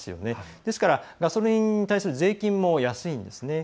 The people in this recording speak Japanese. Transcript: ですから、ガソリンに対する税金も安いんですね。